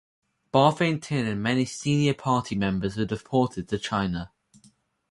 Ba Thein Tin and many senior party members were deported to China.